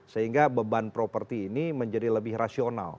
sehingga beban properti ini menjadi lebih rasional